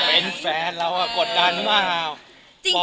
เป็นแฟนเราอะกดดันมาก